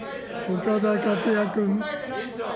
岡田克也君。